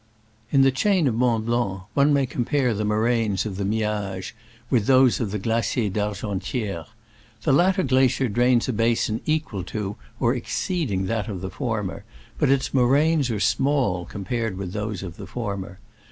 In the chain of Mont Blanc one may compare the moraines of the Miage with those of the Glacier d'Argenti^re. The latter glacier drains a basin equal to or exceeding that of the former, but its moraines are small compared with those of the former.